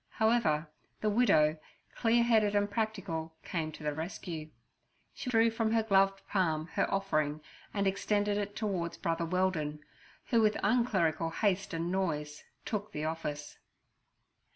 However, the widow, clear headed and practical, came to the rescue. She drew from her gloved palm her offering and extended it towards Brother Weldon, who with unclerical haste and noise took the office.